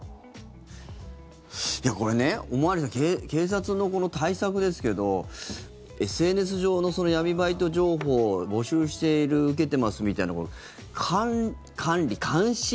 いや、これね、お巡りさん警察のこの対策ですけどＳＮＳ上のその闇バイト情報を募集している受けてますみたいなこと管理、監視？